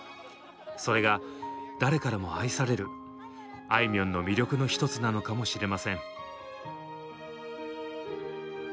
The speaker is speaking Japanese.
それが誰からも愛されるあいみょんの魅力の一つなのかもしれません。